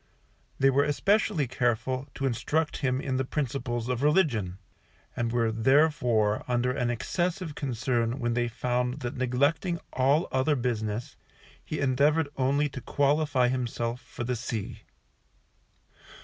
They were especially careful to instruct him in the principles of religion, and were therefore under an excessive concern when they found that neglecting all other business, he endeavoured only to qualify himself for the sea.